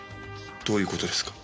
どういう事ですか？